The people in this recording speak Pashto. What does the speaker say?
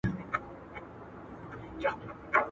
د ارغنداب سیند د برکته سیمې زرغونې سوي دي.